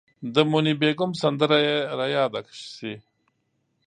د موني بیګم سندره یې ریاده شي.